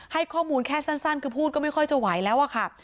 ให้ข้อมูลแค่สั้นคือพูดก็ไม่ค่อยจะไหวแล้วอะค่ะ